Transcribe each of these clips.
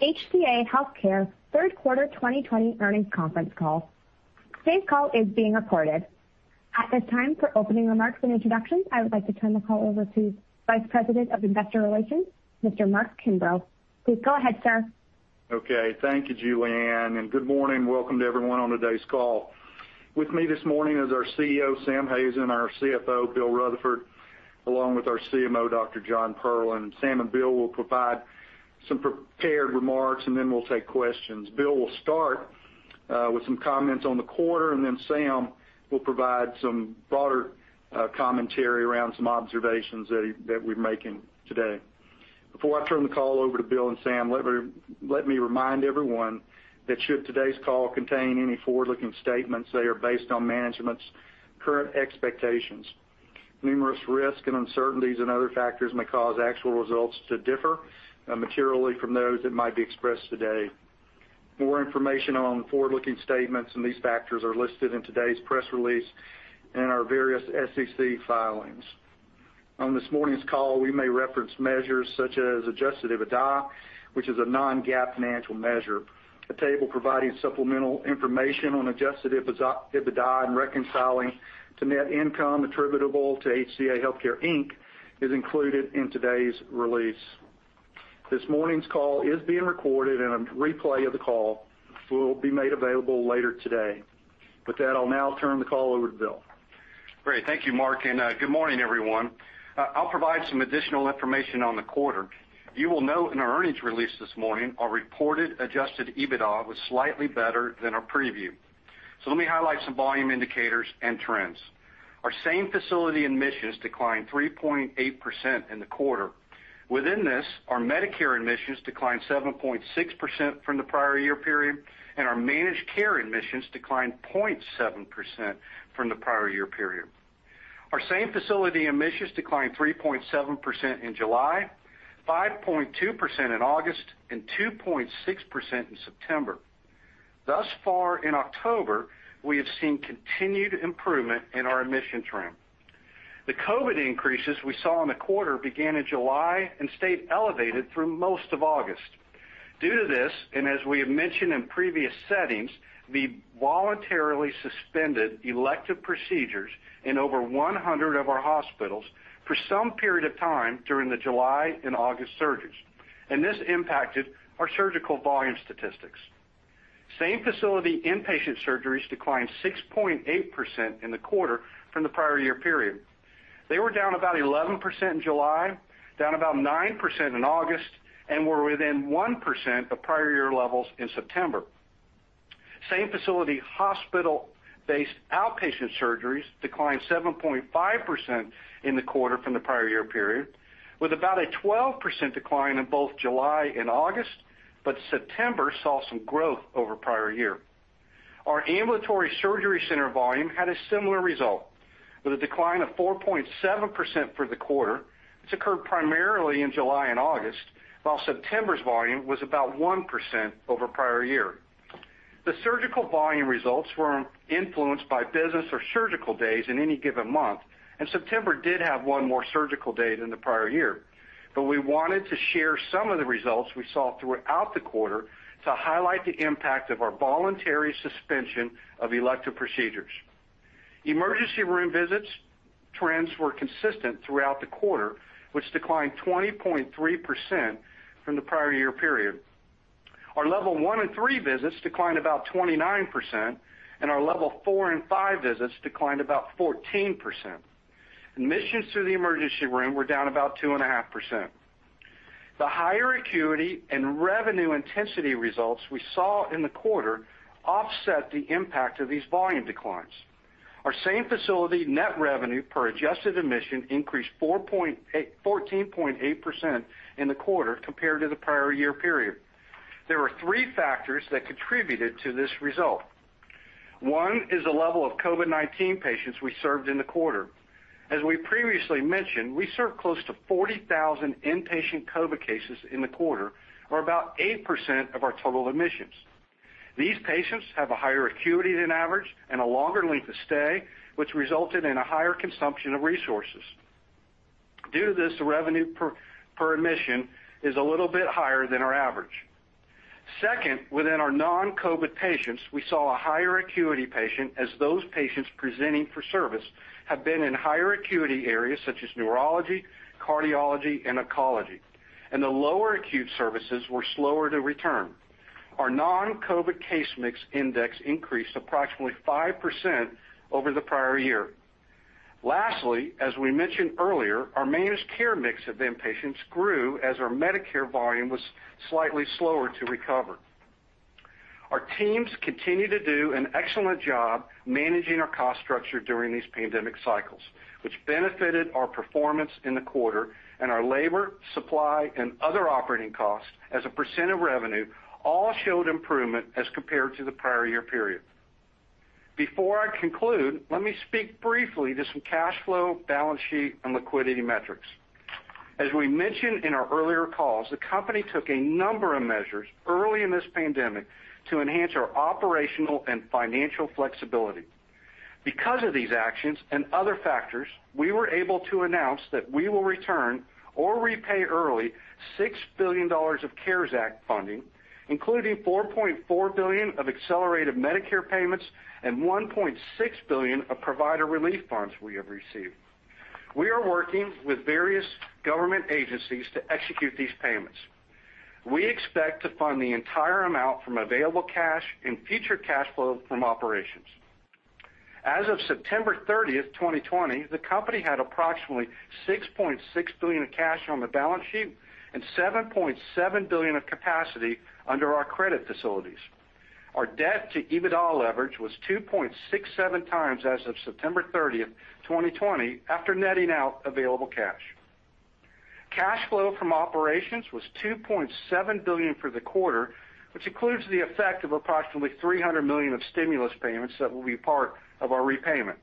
Welcome to the HCA Healthcare third quarter 2020 earnings conference call. Today's call is being recorded. At this time, for opening remarks and introductions, I would like to turn the call over to Vice President of Investor Relations, Mr. Mark Kimbrough. Please go ahead, sir. Okay. Thank you, Julianne, and good morning. Welcome to everyone on today's call. With me this morning is our CEO, Sam Hazen, our CFO, Bill Rutherford, along with our CMO, Dr. Jon Perlin. Sam and Bill will provide some prepared remarks, and then we'll take questions. Bill will start with some comments on the quarter, and then Sam will provide some broader commentary around some observations that we're making today. Before I turn the call over to Bill and Sam, let me remind everyone that should today's call contain any forward-looking statements, they are based on management's current expectations. Numerous risks and uncertainties and other factors may cause actual results to differ materially from those that might be expressed today. More information on forward-looking statements and these factors are listed in today's press release and our various SEC filings. On this morning's call, we may reference measures such as adjusted EBITDA, which is a non-GAAP financial measure. A table providing supplemental information on adjusted EBITDA and reconciling to net income attributable to HCA Healthcare, Inc. is included in today's release. This morning's call is being recorded, and a replay of the call will be made available later today. With that, I'll now turn the call over to Bill. Great. Thank you, Mark. Good morning, everyone. I'll provide some additional information on the quarter. You will note in our earnings release this morning, our reported adjusted EBITDA was slightly better than our preview. Let me highlight some volume indicators and trends. Our same-facility admissions declined 3.8% in the quarter. Within this, our Medicare admissions declined 7.6% from the prior year period, and our managed care admissions declined 0.7% from the prior year period. Our same-facility admissions declined 3.7% in July, 5.2% in August, and 2.6% in September. Thus far in October, we have seen continued improvement in our admissions trend. The COVID increases we saw in the quarter began in July and stayed elevated through most of August. Due to this, and as we have mentioned in previous settings, we voluntarily suspended elective procedures in over 100 of our hospitals for some period of time during the July and August surges, and this impacted our surgical volume statistics. Same-facility inpatient surgeries declined 6.8% in the quarter from the prior year period. They were down about 11% in July, down about 9% in August, and were within 1% of prior year levels in September. Same-facility hospital-based outpatient surgeries declined 7.5% in the quarter from the prior year period with about a 12% decline in both July and August, but September saw some growth over prior year. Our ambulatory surgery center volume had a similar result with a decline of 4.7% for the quarter, which occurred primarily in July and August, while September's volume was about 1% over prior year. The surgical volume results were influenced by business or surgical days in any given month, and September did have one more surgical day than the prior year. We wanted to share some of the results we saw throughout the quarter to highlight the impact of our voluntary suspension of elective procedures. Emergency room visits trends were consistent throughout the quarter, which declined 20.3% from the prior year period. Our level one and three visits declined about 29%, and our level four and five visits declined about 14%. Admissions through the emergency room were down about 2.5%. The higher acuity and revenue intensity results we saw in the quarter offset the impact of these volume declines. Our same-facility net revenue per adjusted admission increased 14.8% in the quarter compared to the prior year period. There were three factors that contributed to this result. One is the level of COVID-19 patients we served in the quarter. As we previously mentioned, we served close to 40,000 inpatient COVID cases in the quarter, or about 8% of our total admissions. These patients have a higher acuity than average and a longer length of stay, which resulted in a higher consumption of resources. Due to this, the revenue per admission is a little bit higher than our average. Second, within our non-COVID patients, we saw a higher acuity patient as those patients presenting for service have been in higher acuity areas such as neurology, cardiology, and oncology, and the lower acute services were slower to return. Our non-COVID case mix index increased approximately 5% over the prior year. Lastly, as we mentioned earlier, our managed care mix of inpatients grew as our Medicare volume was slightly slower to recover. Our teams continue to do an excellent job managing our cost structure during these pandemic cycles, which benefited our performance in the quarter, and our labor, supply, and other operating costs as a percentage of revenue all showed improvement as compared to the prior year period. Before I conclude, let me speak briefly to some cash flow, balance sheet, and liquidity metrics. Because of these actions and other factors, we were able to announce that we will return or repay early $6 billion of CARES Act funding, including $4.4 billion of accelerated Medicare payments and $1.6 billion of Provider Relief Fund we have received. We are working with various government agencies to execute these payments. We expect to fund the entire amount from available cash and future cash flow from operations. As of September 30th, 2020, the company had approximately $6.6 billion of cash on the balance sheet and $7.7 billion of capacity under our credit facilities. Our debt to EBITDA leverage was 2.67x as of September 30th, 2020, after netting out available cash. Cash flow from operations was $2.7 billion for the quarter, which includes the effect of approximately $300 million of stimulus payments that will be part of our repayment.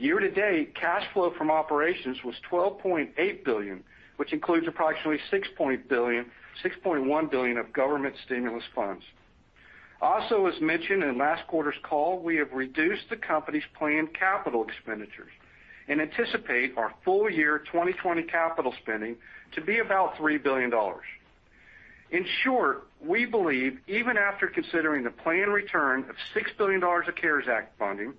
Year to date, cash flow from operations was $12.8 billion, which includes approximately $6.1 billion of government stimulus funds. Also, as mentioned in last quarter's call, we have reduced the company's planned capital expenditures and anticipate our full year 2020 capital spending to be about $3 billion. In short, we believe even after considering the planned return of $6 billion of CARES Act funding,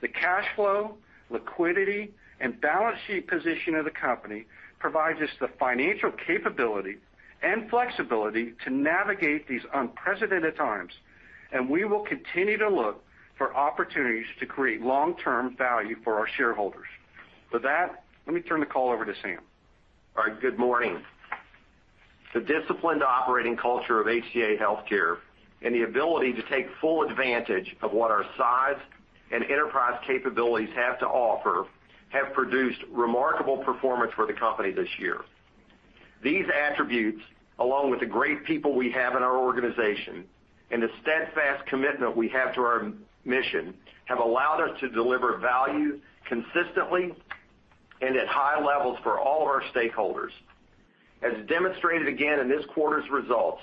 the cash flow, liquidity, and balance sheet position of the company provides us the financial capability and flexibility to navigate these unprecedented times, and we will continue to look for opportunities to create long-term value for our shareholders. With that, let me turn the call over to Sam. All right. Good morning. The disciplined operating culture of HCA Healthcare and the ability to take full advantage of what our size and enterprise capabilities have to offer have produced remarkable performance for the company this year. These attributes, along with the great people we have in our organization and the steadfast commitment we have to our mission, have allowed us to deliver value consistently and at high levels for all of our stakeholders. As demonstrated again in this quarter's results,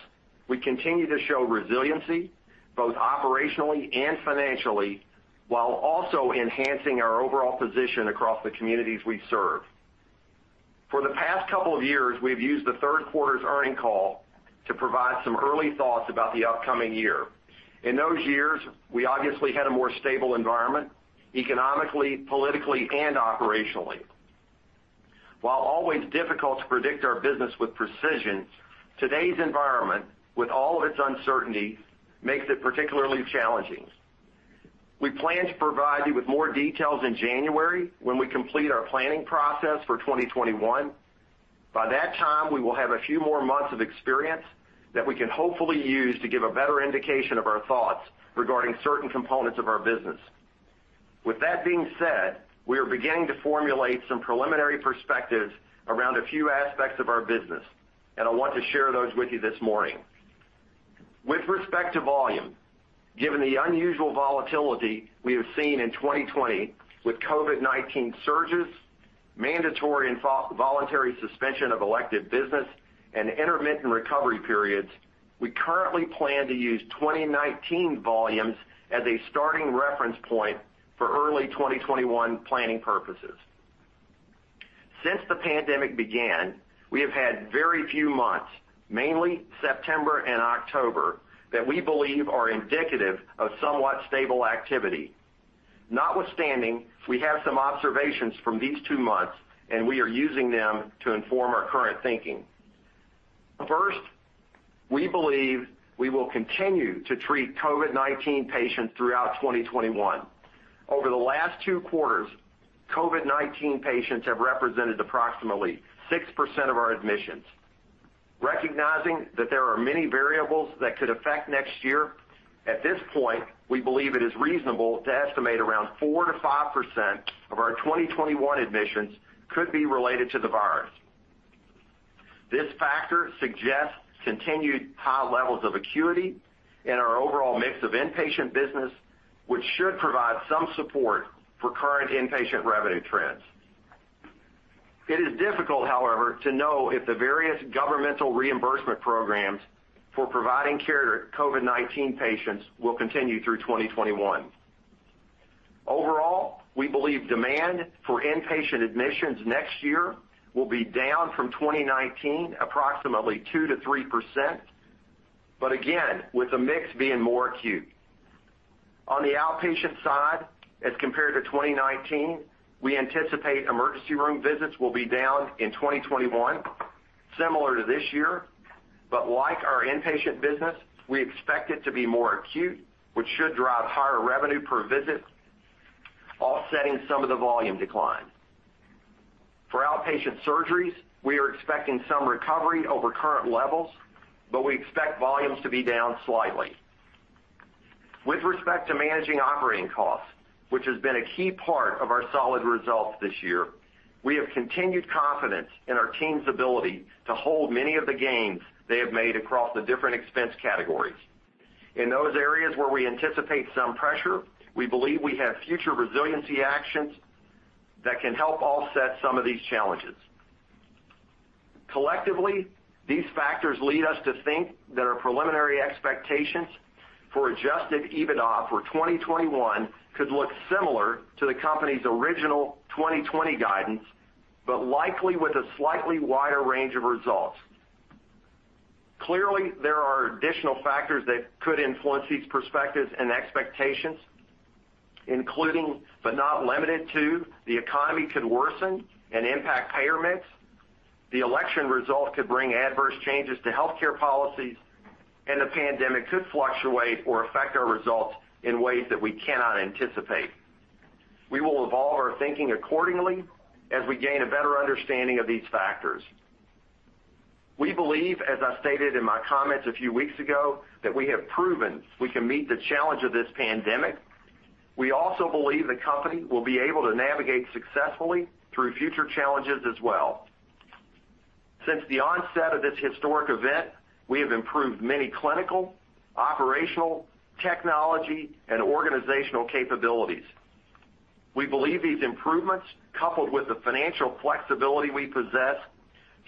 we continue to show resiliency both operationally and financially, while also enhancing our overall position across the communities we serve. For the past couple of years, we've used the third quarter's earnings call to provide some early thoughts about the upcoming year. In those years, we obviously had a more stable environment economically, politically, and operationally. While always difficult to predict our business with precision, today's environment, with all of its uncertainty, makes it particularly challenging. We plan to provide you with more details in January when we complete our planning process for 2021. By that time, we will have a few more months of experience that we can hopefully use to give a better indication of our thoughts regarding certain components of our business. With that being said, we are beginning to formulate some preliminary perspectives around a few aspects of our business, and I want to share those with you this morning. With respect to volume, given the unusual volatility we have seen in 2020 with COVID-19 surges, mandatory and voluntary suspension of elective business, and intermittent recovery periods, we currently plan to use 2019 volumes as a starting reference point for early 2021 planning purposes. Since the pandemic began, we have had very few months, mainly September and October, that we believe are indicative of somewhat stable activity. Notwithstanding, we have some observations from these two months, and we are using them to inform our current thinking. First, we believe we will continue to treat COVID-19 patients throughout 2021. Over the last two quarters, COVID-19 patients have represented approximately 6% of our admissions. Recognizing that there are many variables that could affect next year, at this point, we believe it is reasonable to estimate around 4%-5% of our 2021 admissions could be related to the virus. This factor suggests continued high levels of acuity in our overall mix of inpatient business, which should provide some support for current inpatient revenue trends. It is difficult, however, to know if the various governmental reimbursement programs for providing care to COVID-19 patients will continue through 2021. Overall, we believe demand for inpatient admissions next year will be down from 2019 approximately 2%-3%, but again, with the mix being more acute. On the outpatient side, as compared to 2019, we anticipate emergency room visits will be down in 2021, similar to this year, but like our inpatient business, we expect it to be more acute, which should drive higher revenue per visit, offsetting some of the volume decline. For outpatient surgeries, we are expecting some recovery over current levels, but we expect volumes to be down slightly. With respect to managing operating costs, which has been a key part of our solid results this year, we have continued confidence in our team's ability to hold many of the gains they have made across the different expense categories. In those areas where we anticipate some pressure, we believe we have future resiliency actions that can help offset some of these challenges. Collectively, these factors lead us to think that our preliminary expectations for adjusted EBITDA for 2021 could look similar to the company's original 2020 guidance, but likely with a slightly wider range of results. Clearly, there are additional factors that could influence these perspectives and expectations, including, but not limited to, the economy could worsen and impact payer mix, the election result could bring adverse changes to healthcare policies, and the pandemic could fluctuate or affect our results in ways that we cannot anticipate. We will evolve our thinking accordingly as we gain a better understanding of these factors. We believe, as I stated in my comments a few weeks ago, that we have proven we can meet the challenge of this pandemic. We also believe the company will be able to navigate successfully through future challenges as well. Since the onset of this historic event, we have improved many clinical, operational, technology, and organizational capabilities. We believe these improvements, coupled with the financial flexibility we possess,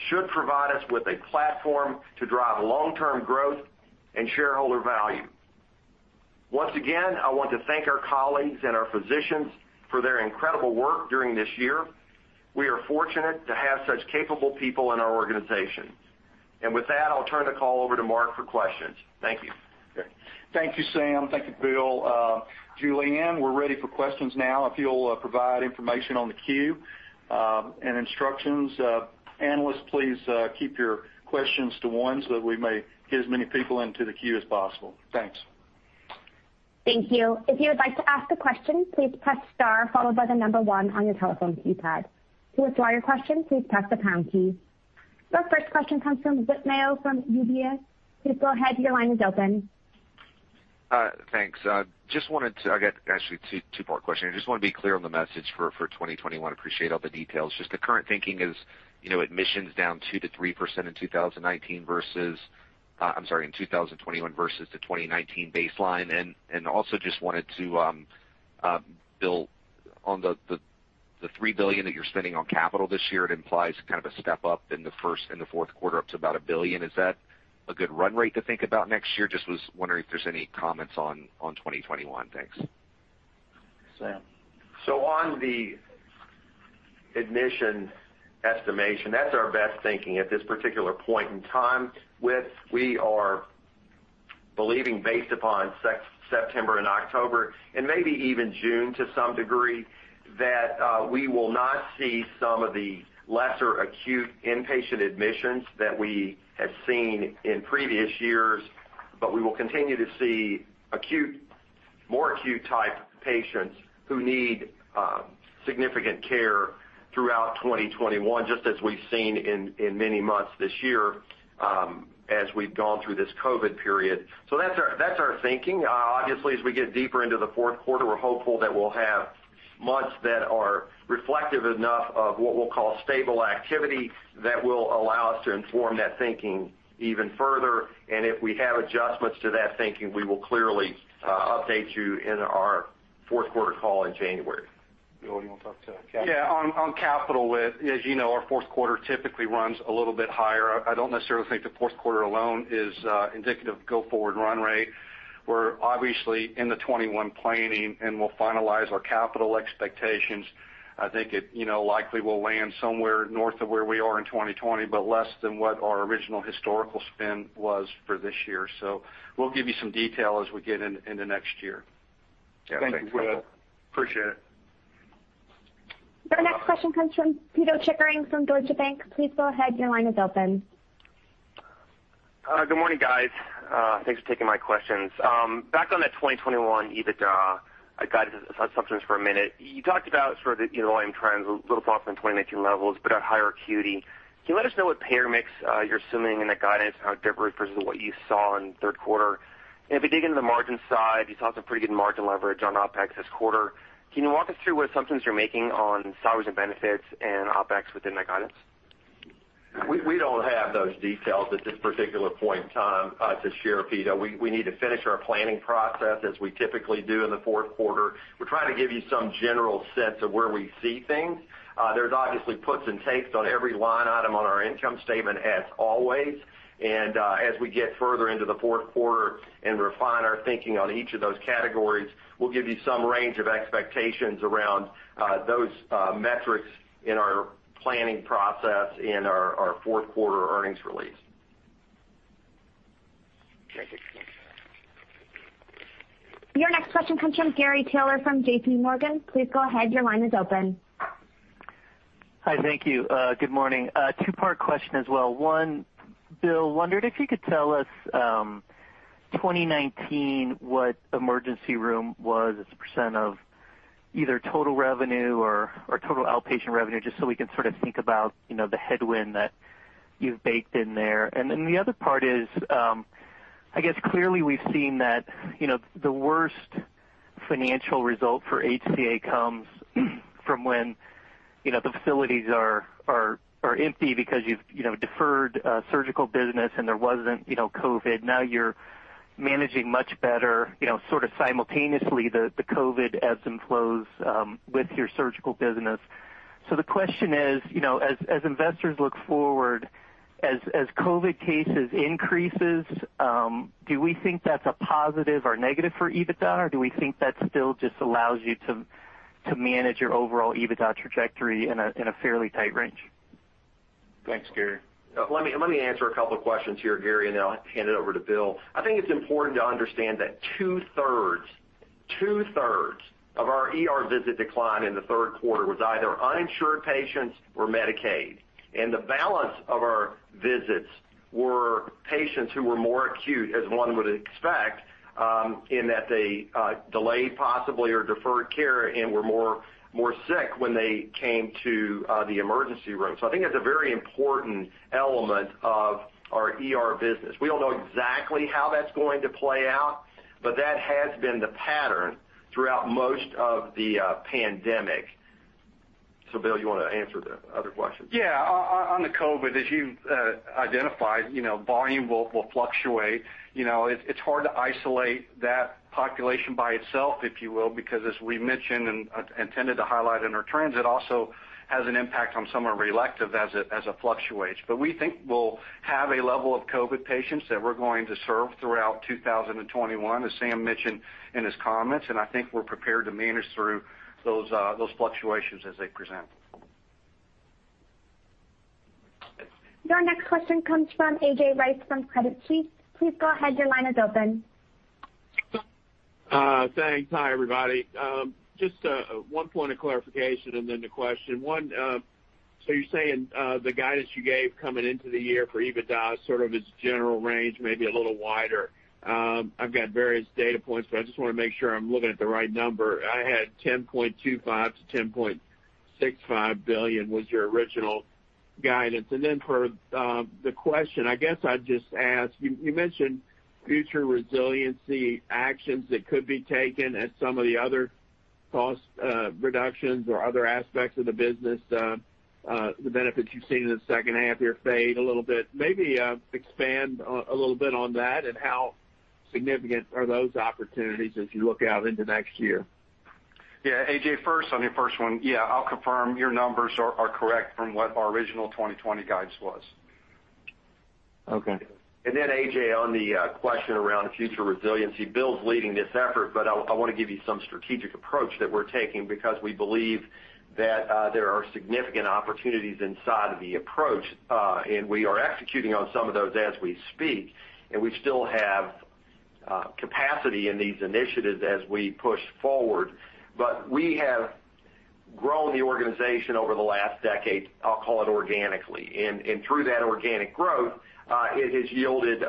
should provide us with a platform to drive long-term growth and shareholder value. Once again, I want to thank our colleagues and our physicians for their incredible work during this year. We are fortunate to have such capable people in our organization. With that, I'll turn the call over to Mark for questions. Thank you. Thank you, Sam. Thank you, Bill. Julianne, we're ready for questions now. If you'll provide information on the queue and instructions. Analysts, please keep your questions to one, so that we may get as many people into the queue as possible. Thanks. Thank you. If you would like to ask a question, please press star followed by the number one on your telephone keypad. To withdraw your question, please press the pound key. Your first question comes from Whit Mayo from UBS. Please go ahead, your line is open. Thanks. I got actually a two-part question here. Just want to be clear on the message for 2021. Appreciate all the details. Just the current thinking is admissions down 2%-3% in 2019 versus-- I'm sorry, in 2021 versus the 2019 baseline. Also, just wanted to, Bill, on the $3 billion that you're spending on capital this year, it implies kind of a step-up in the fourth quarter up to about $1 billion. Is that a good run rate to think about next year? Just was wondering if there's any comments on 2021. Thanks. Sam? On the admission estimation, that's our best thinking at this particular point in time, Whit. We are believing based upon September and October, and maybe even June to some degree, that we will not see some of the lesser acute inpatient admissions that we had seen in previous years, but we will continue to see more acute-type patients who need significant care throughout 2021, just as we've seen in many months this year as we've gone through this COVID period. That's our thinking. Obviously, as we get deeper into the fourth quarter, we're hopeful that we'll have months that are reflective enough of what we'll call stable activity that will allow us to inform that thinking even further. If we have adjustments to that thinking, we will clearly update you in our fourth quarter call in January. Bill, you want to talk to capital? Yeah, on capital, Whit, as you know, our fourth quarter typically runs a little bit higher. I don't necessarily think the fourth quarter alone is indicative of go-forward run rate. We're obviously in the 2021 planning, and we'll finalize our capital expectations. I think it likely will land somewhere north of where we are in 2020, but less than what our original historical spend was for this year. We'll give you some detail as we get into next year. Thank you for that. Appreciate it. Your next question comes from Pito Chickering from Deutsche Bank. Please go ahead, your line is open. Good morning, guys. Thanks for taking my questions. Back on that 2021 EBITDA guidance assumptions for a minute. You talked about sort of the underlying trends, a little softer than 2019 levels, but at higher acuity. Can you let us know what payer mix you're assuming in the guidance, how it differs versus what you saw in third quarter? If we dig into the margin side, you saw some pretty good margin leverage on OpEx this quarter. Can you walk us through what assumptions you're making on salaries and benefits and OpEx within that guidance? We don't have those details at this particular point in time to share, Pito. We need to finish our planning process as we typically do in the fourth quarter. We're trying to give you some general sense of where we see things. There's obviously puts and takes on every line item on our income statement as always, and as we get further into the fourth quarter and refine our thinking on each of those categories, we'll give you some range of expectations around those metrics in our planning process in our fourth-quarter earnings release. Okay. Thanks. Your next question comes from Gary Taylor from J.P. Morgan. Please go ahead, your line is open. Hi, thank you. Good morning. A two-part question as well. One, Bill, wondered if you could tell us 2019, what emergency room was as a percentage of either total revenue or total outpatient revenue, just so we can sort of think about the headwind that you've baked in there. The other part is I guess clearly we've seen that the worst financial result for HCA comes from when the facilities are empty because you've deferred surgical business and there wasn't COVID. Now you're managing much better, sort of simultaneously, the COVID ebbs and flows with your surgical business. The question is, as investors look forward, as COVID cases increases, do we think that's a positive or negative for EBITDA, or do we think that still just allows you to manage your overall EBITDA trajectory in a fairly tight range? Thanks, Gary. Let me answer a couple of questions here, Gary, and then I'll hand it over to Bill. I think it's important to understand that two-thirds of our ER visit decline in the third quarter was either uninsured patients or Medicaid. The balance of our visits were patients who were more acute, as one would expect, in that they delayed possibly or deferred care and were more sick when they came to the emergency room. I think that's a very important element of our ER business. We don't know exactly how that's going to play out, but that has been the pattern throughout most of the pandemic. Bill, you want to answer the other questions? On the COVID, as you've identified, volume will fluctuate. It's hard to isolate that population by itself, if you will, because as we mentioned and intended to highlight in our trends, it also has an impact on some of our elective as it fluctuates. We think we'll have a level of COVID patients that we're going to serve throughout 2021, as Sam mentioned in his comments, and I think we're prepared to manage through those fluctuations as they present. Your next question comes from A.J. Rice from Credit Suisse. Please go ahead, your line is open. Thanks. Hi, everybody. Just one point of clarification and then the question. One, you're saying the guidance you gave coming into the year for EBITDA is sort of its general range, maybe a little wider. I've got various data points, I just want to make sure I'm looking at the right number. I had $10.25 billion-$10.65 billion was your original guidance. Then for the question, I guess I'd just ask, you mentioned future resiliency actions that could be taken and some of the other cost reductions or other aspects of the business, the benefits you've seen in the second half here fade a little bit. Maybe expand a little bit on that and how significant are those opportunities as you look out into next year? Yeah, A.J., on your first one, yeah, I'll confirm your numbers are correct from what our original 2020 guidance was. Okay. A.J., on the question around future resiliency, Bill's leading this effort, but I want to give you some strategic approach that we're taking because we believe that there are significant opportunities inside the approach. We are executing on some of those as we speak, and we still have capacity in these initiatives as we push forward. We have grown the organization over the last decade, I'll call it organically. Through that organic growth, it has yielded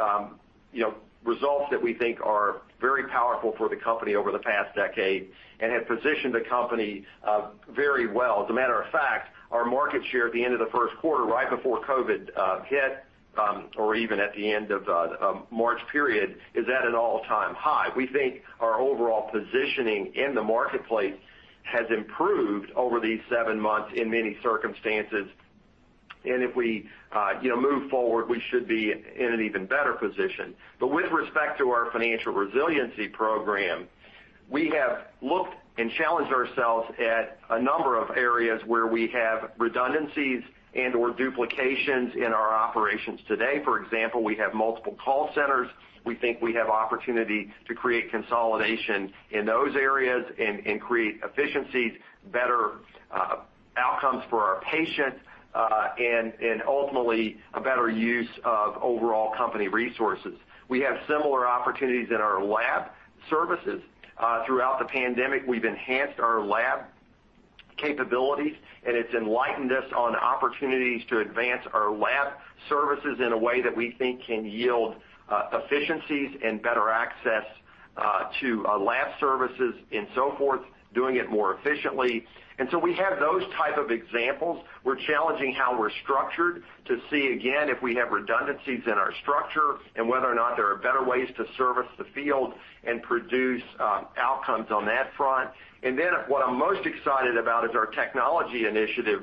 results that we think are very powerful for the company over the past decade and have positioned the company very well. As a matter of fact, our market share at the end of the first quarter, right before COVID hit, or even at the end of March period, is at an all-time high. We think our overall positioning in the marketplace has improved over these seven months in many circumstances. If we move forward, we should be in an even better position. With respect to our financial resiliency program, we have looked and challenged ourselves at a number of areas where we have redundancies and/or duplications in our operations today. For example, we have multiple call centers. We think we have opportunity to create consolidation in those areas and create efficiencies, better outcomes for our patients, and ultimately, a better use of overall company resources. We have similar opportunities in our lab services. Throughout the pandemic, we've enhanced our lab capabilities, and it's enlightened us on opportunities to advance our lab services in a way that we think can yield efficiencies and better access to lab services and so forth, doing it more efficiently. We have those type of examples. We're challenging how we're structured to see, again, if we have redundancies in our structure and whether or not there are better ways to service the field and produce outcomes on that front. What I'm most excited about is our technology initiative,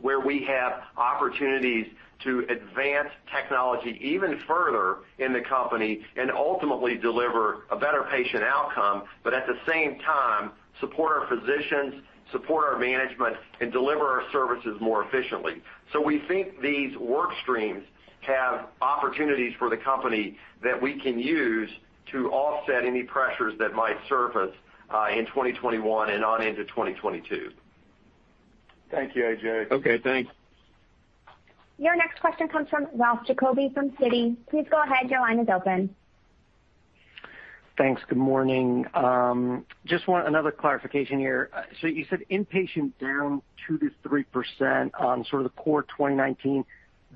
where we have opportunities to advance technology even further in the company and ultimately deliver a better patient outcome, but at the same time, support our physicians, support our management, and deliver our services more efficiently. We think these work streams have opportunities for the company that we can use to offset any pressures that might surface in 2021 and on into 2022. Thank you, A.J. Okay, thanks. Your next question comes from Ralph Giacobbe from Citi. Please go ahead, your line is open. Thanks. Good morning. Just want another clarification here. You said inpatient down 2%-3% on sort of the core 2019,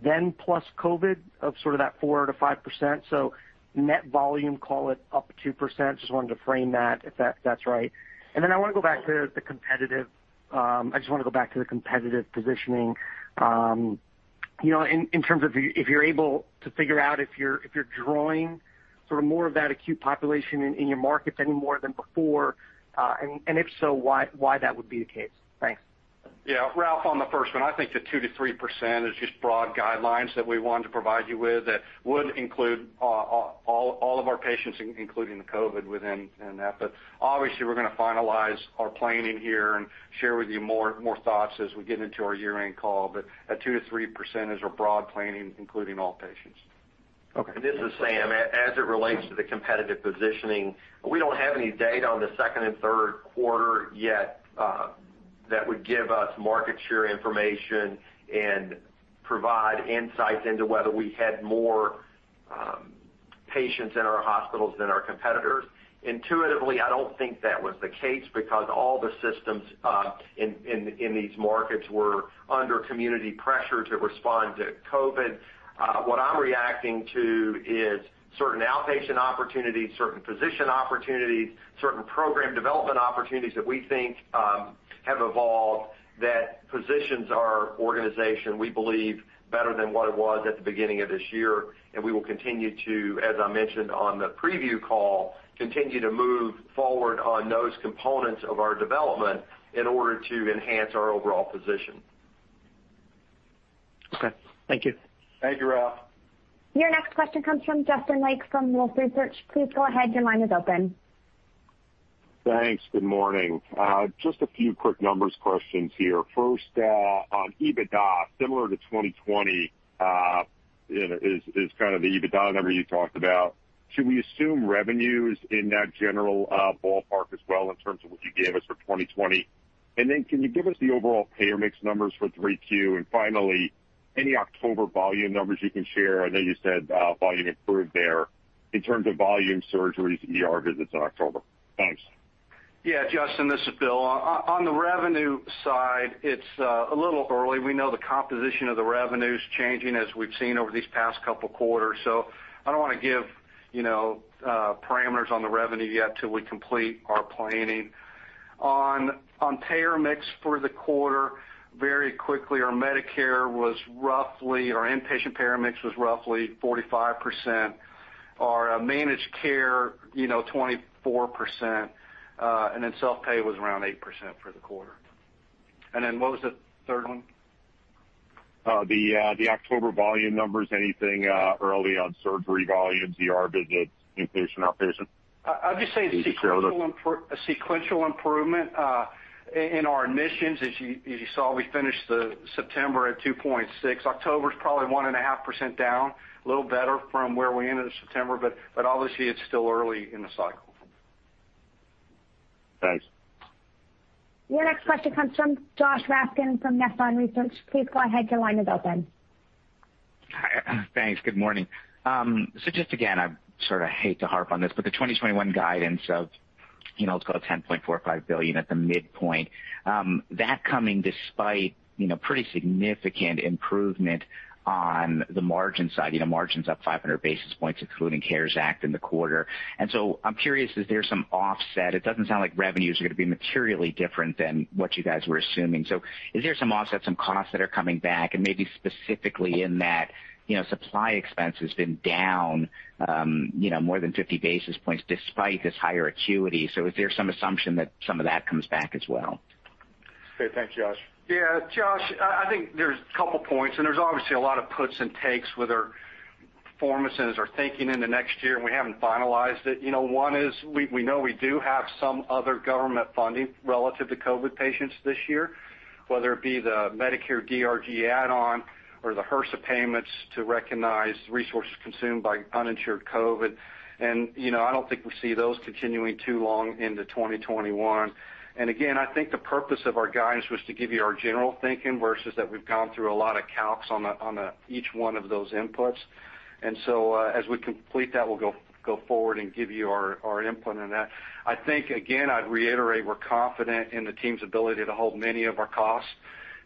then plus COVID-19 of sort of that 4%-5%. Net volume, call it up 2%. Just wanted to frame that if that's right. Then I just want to go back to the competitive positioning, in terms of if you're able to figure out if you're drawing sort of more of that acute population in your markets any more than before. If so, why that would be the case? Thanks. Yeah, Ralph, on the first one, I think the 2%-3% is just broad guidelines that we wanted to provide you with that would include all of our patients, including the COVID within that. Obviously, we're going to finalize our planning here and share with you more thoughts as we get into our year-end call. That 2%-3% is our broad planning, including all patients. Okay. This is Sam. As it relates to the competitive positioning, we don't have any data on the second and third quarter yet that would give us market share information and provide insights into whether we had more patients in our hospitals than our competitors. Intuitively, I don't think that was the case because all the systems in these markets were under community pressure to respond to COVID. What I'm reacting to is certain outpatient opportunities, certain position opportunities, certain program development opportunities that we think have evolved that positions our organization, we believe, better than what it was at the beginning of this year. We will continue to, as I mentioned on the preview call, continue to move forward on those components of our development in order to enhance our overall position. Okay. Thank you. Thank you, Ralph. Your next question comes from Justin Lake from Wolfe Research. Please go ahead. Your line is open. Thanks. Good morning. Just a few quick numbers questions here. First, on EBITDA, similar to 2020, is the EBITDA number you talked about. Should we assume revenues in that general ballpark as well in terms of what you gave us for 2020? Then can you give us the overall payer mix numbers for 3Q? Finally, any October volume numbers you can share? I know you said volume improved there in terms of volume surgeries, ER visits in October. Thanks. Yeah, Justin, this is Bill. On the revenue side, it's a little early. We know the composition of the revenue's changing as we've seen over these past couple quarters. I don't want to give parameters on the revenue yet till we complete our planning. On payer mix for the quarter, very quickly, our inpatient payer mix was roughly 45%, our managed care 24%, and then self-pay was around 8% for the quarter. What was the third one? The October volume numbers, anything early on surgery volume, ER visits, inpatient, outpatient? I'd just say it's a sequential improvement in our admissions. As you saw, we finished September at 2.6%. October's probably 1.5% down, a little better from where we ended September, but obviously it's still early in the cycle. Thanks. Your next question comes from Josh Raskin from Nephron Research. Please go ahead. Your line is open. Thanks. Good morning. Just again, I sort of hate to harp on this, the 2021 guidance of, let's call it $10.45 billion at the midpoint, that coming despite pretty significant improvement on the margin side, margins up 500 basis points, including CARES Act in the quarter. I'm curious, is there some offset? It doesn't sound like revenues are going to be materially different than what you guys were assuming. Is there some offset, some costs that are coming back and maybe specifically in that supply expense has been down more than 50 basis points despite this higher acuity? Is there some assumption that some of that comes back as well? Okay. Thanks, Josh. Yeah, Josh, I think there's a couple points, there's obviously a lot of puts and takes with our performance as we're thinking in the next year, and we haven't finalized it. One is we know we do have some other government funding relative to COVID patients this year, whether it be the Medicare DRG add-on or the HRSA payments to recognize resources consumed by uninsured COVID. I don't think we see those continuing too long into 2021. Again, I think the purpose of our guidance was to give you our general thinking versus that we've gone through a lot of calcs on each one of those inputs. As we complete that, we'll go forward and give you our input on that. I think, again, I'd reiterate we're confident in the team's ability to hold many of our costs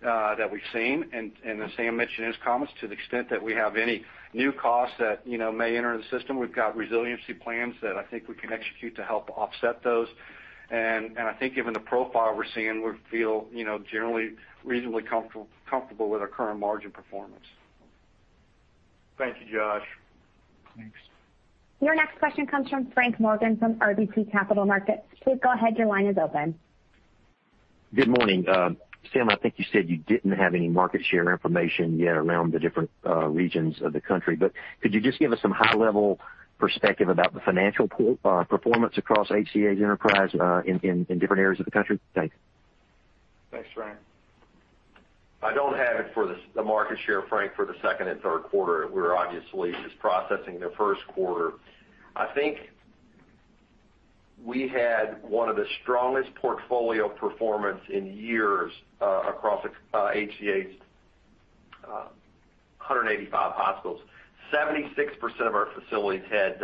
that we've seen. As Sam mentioned in his comments, to the extent that we have any new costs that may enter the system, we've got resiliency plans that I think we can execute to help offset those. I think given the profile we're seeing, we feel generally reasonably comfortable with our current margin performance. Thank you, Josh. Thanks. Your next question comes from Frank Morgan from RBC Capital Markets. Please go ahead. Your line is open. Good morning. Sam, I think you said you didn't have any market share information yet around the different regions of the country, could you just give us some high-level perspective about the financial performance across HCA's enterprise in different areas of the country? Thanks. Thanks, Frank. I don't have it for the market share, Frank, for the second and third quarter. We're obviously just processing the first quarter. I think we had one of the strongest portfolio performance in years across HCA's 185 hospitals. 76% of our facilities had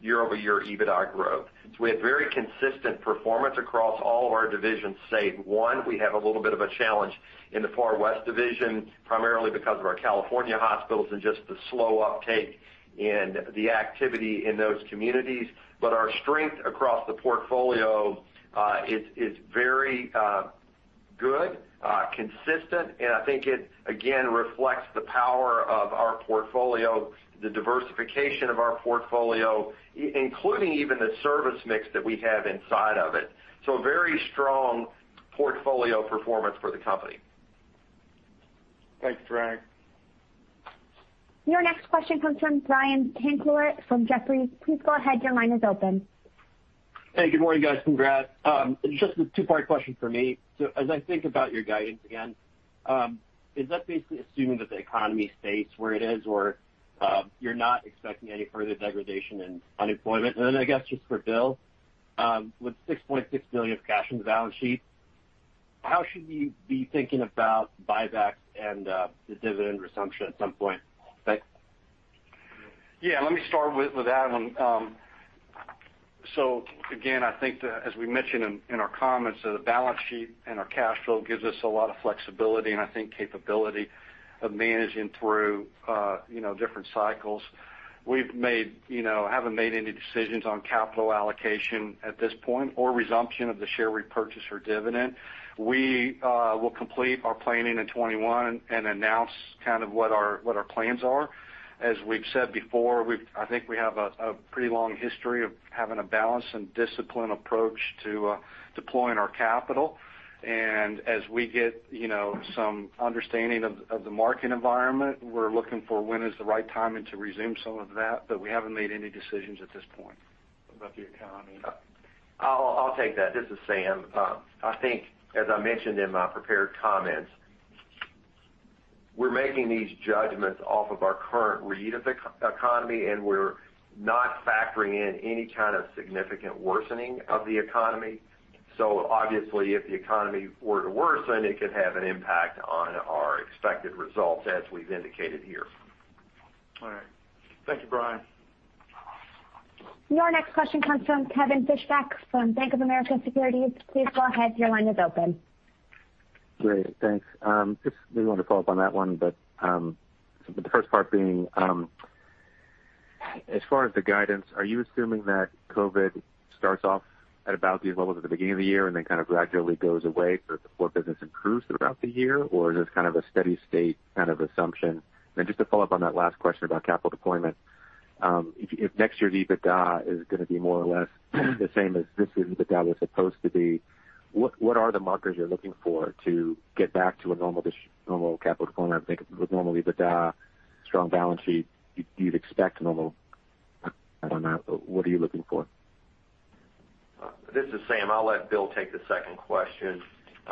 year-over-year EBITDA growth. We had very consistent performance across all of our divisions, save one. We have a little bit of a challenge in the Far West Division, primarily because of our California hospitals and just the slow uptake in the activity in those communities. Our strength across the portfolio is very good, consistent, and I think it, again, reflects the power of our portfolio, the diversification of our portfolio, including even the service mix that we have inside of it. Very strong portfolio performance for the company. Thanks, Frank. Your next question comes from Brian Tanquilut from Jefferies. Please go ahead. Your line is open. Hey, good morning, guys. Congrats. Just a two-part question from me. As I think about your guidance again, is that basically assuming that the economy stays where it is, or you're not expecting any further degradation in unemployment? I guess just for Bill, with $6.6 billion of cash in the balance sheet, how should we be thinking about buybacks and the dividend resumption at some point? Thanks. Yeah, let me start with that one. Again, I think as we mentioned in our comments, the balance sheet and our cash flow gives us a lot of flexibility and I think capability of managing through different cycles. We haven't made any decisions on capital allocation at this point or resumption of the share repurchase or dividend. We will complete our planning in 2021 and announce kind of what our plans are. As we've said before, I think we have a pretty long history of having a balanced and disciplined approach to deploying our capital. As we get some understanding of the market environment, we're looking for when is the right timing to resume some of that, but we haven't made any decisions at this point. What about the economy? I'll take that. This is Sam. I think as I mentioned in my prepared comments, we're making these judgments off of our current read of the economy, and we're not factoring in any kind of significant worsening of the economy. Obviously, if the economy were to worsen, it could have an impact on our expected results as we've indicated here. All right. Thank you, Brian. Your next question comes from Kevin Fischbeck from Bank of America Securities. Please go ahead. Your line is open. Great. Thanks. Maybe want to follow up on that one, but the first part being, as far as the guidance, are you assuming that COVID-19 starts off at about these levels at the beginning of the year and then kind of gradually goes away so that the core business improves throughout the year? Is this kind of a steady state kind of assumption? Just to follow up on that last question about capital deployment, if next year's EBITDA is going to be more or less the same as this year's EBITDA was supposed to be, what are the markers you're looking for to get back to a normal capital deployment? I think with normal EBITDA, strong balance sheet, you'd expect normal on that. What are you looking for? This is Sam. I'll let Bill take the second question.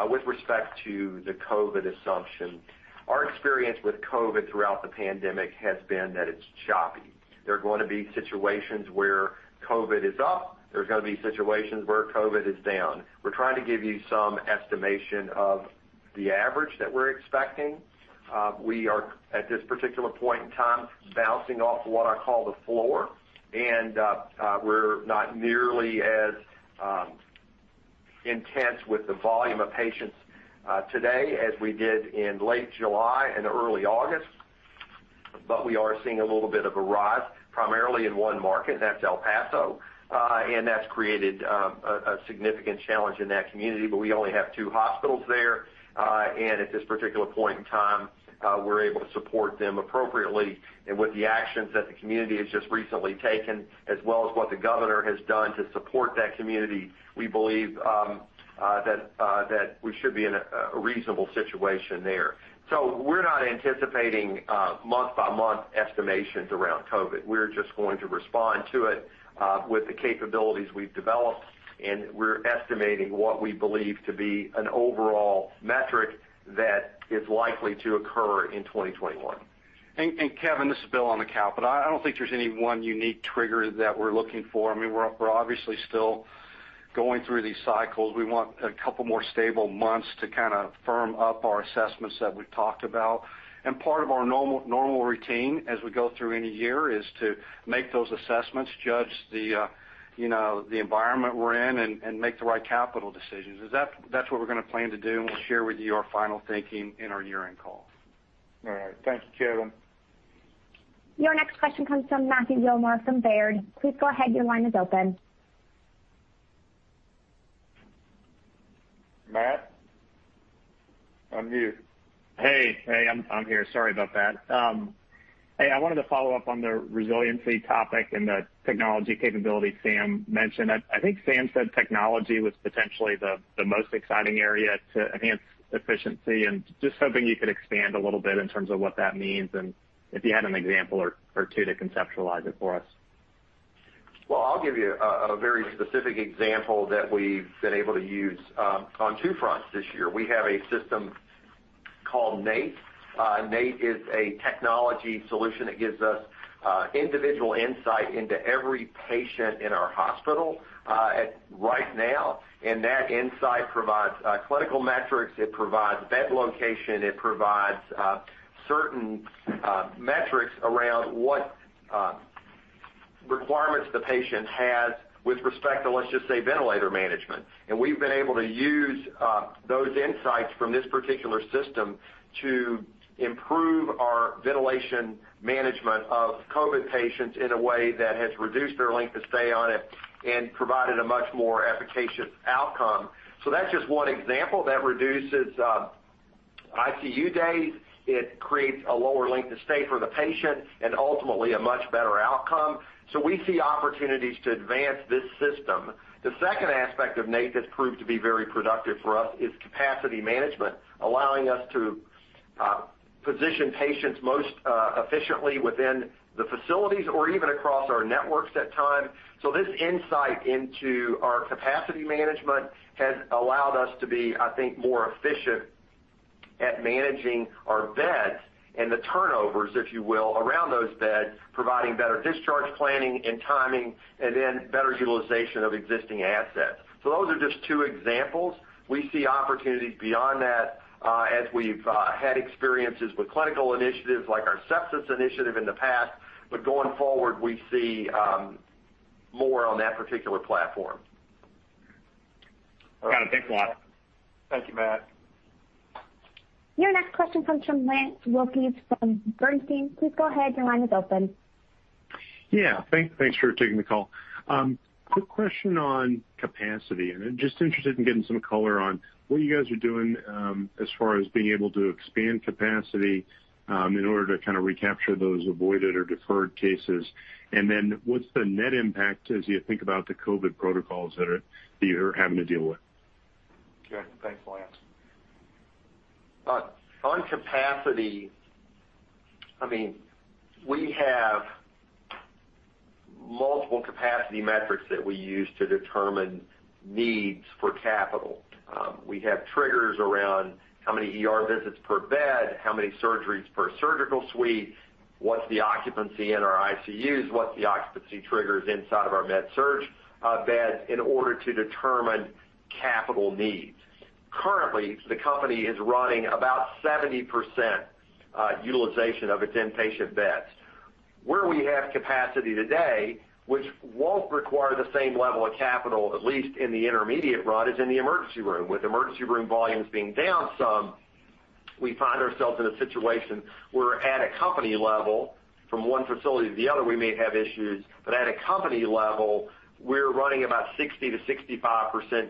With respect to the COVID assumption, our experience with COVID throughout the pandemic has been that it's choppy. There are going to be situations where COVID is up. There are going to be situations where COVID is down. We're trying to give you some estimation of the average that we're expecting. We are, at this particular point in time, bouncing off what I call the floor, and we're not nearly as intense with the volume of patients today as we did in late July and early August. We are seeing a little bit of a rise, primarily in one market, and that's El Paso, and that's created a significant challenge in that community. We only have two hospitals there, and at this particular point in time, we're able to support them appropriately. With the actions that the community has just recently taken, as well as what the governor has done to support that community, we believe that we should be in a reasonable situation there. We're not anticipating month-by-month estimations around COVID. We're just going to respond to it with the capabilities we've developed, and we're estimating what we believe to be an overall metric that is likely to occur in 2021. Kevin, this is Bill on the capital. I don't think there's any one unique trigger that we're looking for. We're obviously still going through these cycles. We want a couple more stable months to kind of firm up our assessments that we've talked about. Part of our normal routine as we go through any year is to make those assessments, judge the environment we're in, and make the right capital decisions. That's what we're going to plan to do, and we'll share with you our final thinking in our year-end call. All right. Thank you, Kevin. Your next question comes from Matthew Gillmor from Baird. Please go ahead. Your line is open. Matt, unmute. Hey. I'm here. Sorry about that. Hey, I wanted to follow up on the resiliency topic and the technology capability Sam mentioned. I think Sam said technology was potentially the most exciting area to enhance efficiency, and just hoping you could expand a little bit in terms of what that means and if you had an example or two to conceptualize it for us. I'll give you a very specific example that we've been able to use on two fronts this year. We have a system called NATE. NATE is a technology solution that gives us individual insight into every patient in our hospital right now. That insight provides clinical metrics, it provides bed location, it provides certain metrics around what requirements the patient has with respect to, let's just say, ventilator management. We've been able to use those insights from this particular system to improve our ventilation management of COVID patients in a way that has reduced their length of stay on it and provided a much more efficacious outcome. That's just one example that reduces ICU days. It creates a lower length of stay for the patient and ultimately a much better outcome. We see opportunities to advance this system. The second aspect of NATE that's proved to be very productive for us is capacity management, allowing us to position patients most efficiently within the facilities or even across our networks at time. This insight into our capacity management has allowed us to be, I think, more efficient at managing our beds and the turnovers, if you will, around those beds, providing better discharge planning and timing, and then better utilization of existing assets. Those are just two examples. We see opportunities beyond that as we've had experiences with clinical initiatives like our Sepsis Initiative in the past, but going forward, we see more on that particular platform. Got it. Thanks a lot. Thank you, Matt. Your next question comes from Lance Wilkes from Bernstein. Please go ahead. Your line is open. Yeah. Thanks for taking the call. Quick question on capacity, just interested in getting some color on what you guys are doing as far as being able to expand capacity in order to recapture those avoided or deferred cases? What's the net impact as you think about the COVID protocols that you're having to deal with? Okay. Thanks, Lance. On capacity, we have multiple capacity metrics that we use to determine needs for capital. We have triggers around how many ER visits per bed, how many surgeries per surgical suite, what's the occupancy in our ICUs, what's the occupancy triggers inside of our med surg beds in order to determine capital needs. Currently, the company is running about 70% utilization of its inpatient beds. Where we have capacity today, which won't require the same level of capital, at least in the intermediate run, is in the emergency room. With emergency room volumes being down some, we find ourselves in a situation where at a company level, from one facility to the other, we may have issues, but at a company level, we're running about 60%-65%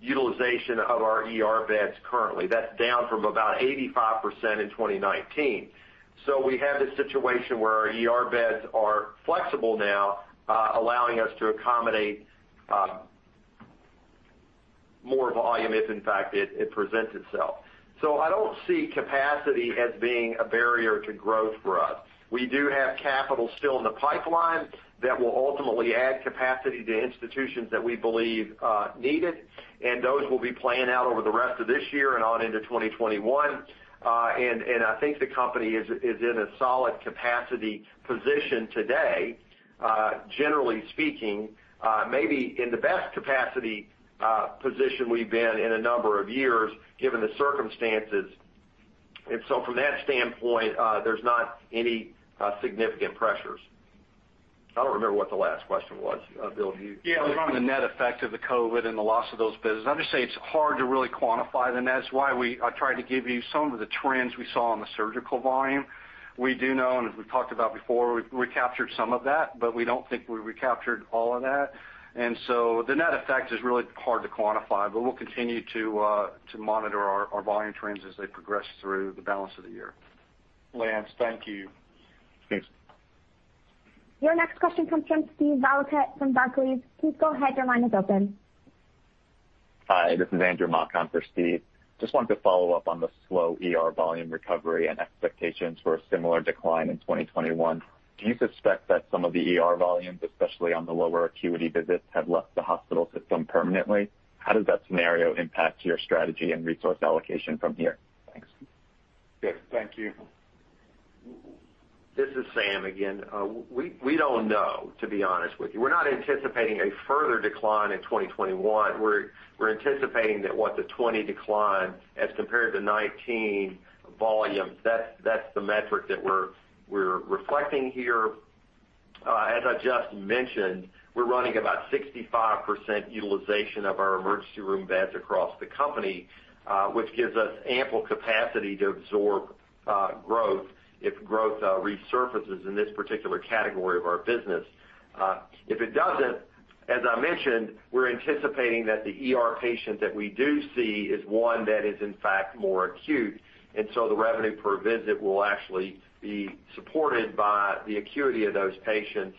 utilization of our ER beds currently. That's down from about 85% in 2019. We have this situation where our ER beds are flexible now, allowing us to accommodate more volume if in fact it presents itself. I don't see capacity as being a barrier to growth for us. We do have capital still in the pipeline that will ultimately add capacity to institutions that we believe need it, and those will be playing out over the rest of this year and on into 2021. I think the company is in a solid capacity position today, generally speaking, maybe in the best capacity position we've been in a number of years given the circumstances. From that standpoint, there's not any significant pressures. I don't remember what the last question was. Bill, do you? Yeah, around the net effect of the COVID-19 and the loss of those business. I'll just say it's hard to really quantify the net. It's why I tried to give you some of the trends we saw on the surgical volume. We do know, and as we've talked about before, we recaptured some of that, but we don't think we recaptured all of that. The net effect is really hard to quantify, but we'll continue to monitor our volume trends as they progress through the balance of the year. Lance, thank you. Your next question comes from Steve Valiquette from Barclays. Please go ahead. Your line is open. Hi, this is Andrew Malakot for Steve. Just wanted to follow up on the slow ER volume recovery and expectations for a similar decline in 2021. Do you suspect that some of the ER volumes, especially on the lower acuity visits, have left the hospital system permanently? How does that scenario impact your strategy and resource allocation from here? Thanks. Steve, thank you. This is Sam again. We don't know, to be honest with you. We're not anticipating a further decline in 2021. We're anticipating that what the 2020 decline as compared to 2019 volumes, that's the metric that we're reflecting here. As I just mentioned, we're running about 65% utilization of our emergency room beds across the company, which gives us ample capacity to absorb growth if growth resurfaces in this particular category of our business. If it doesn't, as I mentioned, we're anticipating that the ER patient that we do see is one that is in fact more acute, and so the revenue per visit will actually be supported by the acuity of those patients.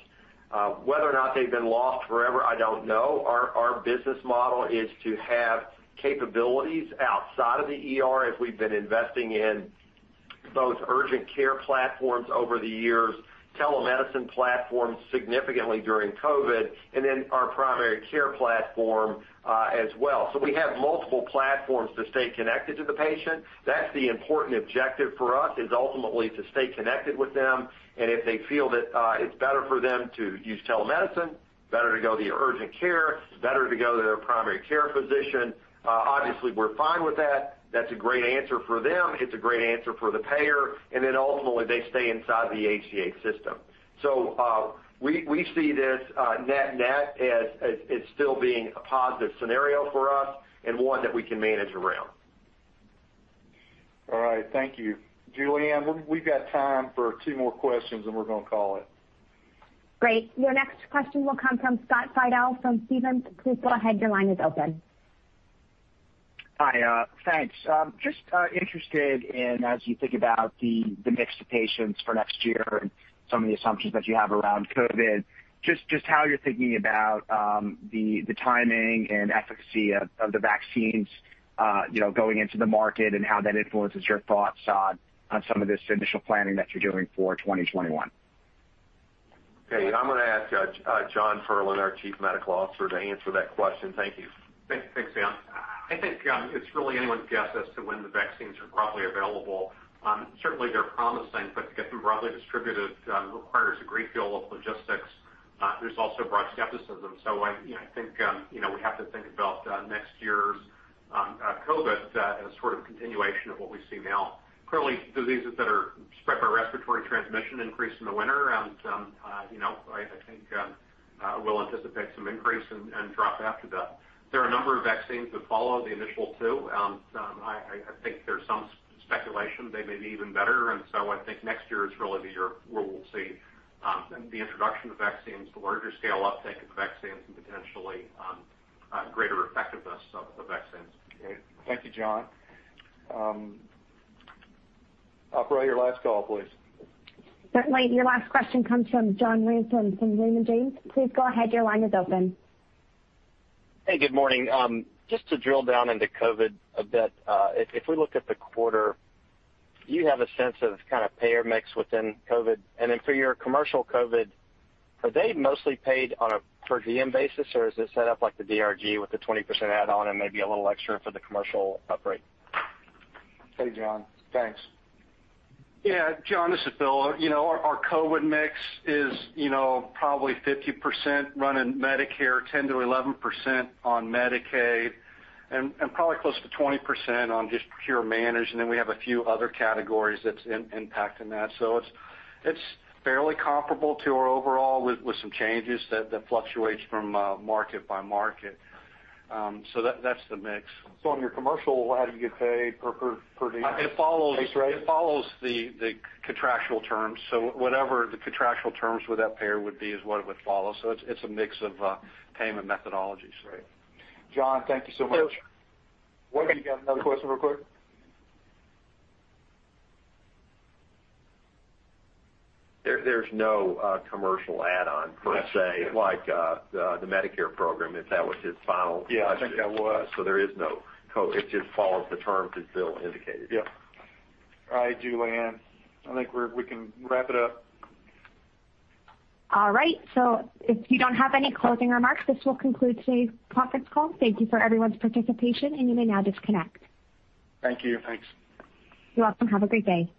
Whether or not they've been lost forever, I don't know. Our business model is to have capabilities outside of the ER as we've been investing in both urgent care platforms over the years, telemedicine platforms significantly during COVID, and then our primary care platform as well. We have multiple platforms to stay connected to the patient. That's the important objective for us is ultimately to stay connected with them, and if they feel that it's better for them to use telemedicine, better to go to the urgent care, better to go to their primary care physician, obviously we're fine with that. That's a great answer for them. It's a great answer for the payer, and then ultimately they stay inside the HCA system. We see this net as it still being a positive scenario for us and one that we can manage around. All right. Thank you. Julianne, we've got time for two more questions. We're going to call it. Great. Your next question will come from Scott Fidel from Stephens. Please go ahead. Your line is open. Hi. Thanks. Just interested in, as you think about the mix of patients for next year and some of the assumptions that you have around COVID, just how you're thinking about the timing and efficacy of the vaccines going into the market and how that influences your thoughts on some of this initial planning that you're doing for 2021? I'm going to ask Jon Perlin, our Chief Medical Officer, to answer that question. Thank you. Thanks, Dan. I think it's really anyone's guess as to when the vaccines are broadly available. Certainly, they're promising, but to get them broadly distributed requires a great deal of logistics. There's also broad skepticism. I think we have to think about next year's COVID as sort of a continuation of what we see now. Clearly, diseases that are spread by respiratory transmission increase in the winter, and I think we'll anticipate some increase and drop after that. There are a number of vaccines that follow the initial two. I think there's some speculation they may be even better, and so I think next year is really the year where we'll see the introduction of vaccines, the larger scale uptake of vaccines, and potentially greater effectiveness of the vaccines. Okay. Thank you, Jon. Operator, your last call, please. Certainly. Your last question comes from John Ransom from Raymond James. Hey, good morning. Just to drill down into COVID a bit, if we look at the quarter, do you have a sense of payer mix within COVID? Then for your commercial COVID, are they mostly paid on a per diem basis, or is it set up like the DRG with the 20% add-on and maybe a little extra for the commercial upgrade? Hey, John. Thanks. John, this is Bill. Our COVID mix is probably 50% running Medicare, 10%-11% on Medicaid, and probably close to 20% on just pure managed. We have a few other categories that's impacting that. It's fairly comparable to our overall, with some changes that fluctuates from market by market. That's the mix. On your commercial, how do you get paid, per diem base rate? It follows the contractual terms. Whatever the contractual terms with that payer would be is what it would follow. It's a mix of payment methodologies. Right. John, thank you so much. Bill. One again, another question real quick. There's no commercial add-on, per se, like the Medicare program, if that was his final question. Yeah, I think that was. It just follows the terms as Bill indicated. Yep. All right, Julie, I think we can wrap it up. All right. If you don't have any closing remarks, this will conclude today's conference call. Thank you for everyone's participation. You may now disconnect. Thank you. Thanks. You're welcome. Have a great day.